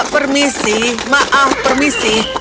permisi maaf permisi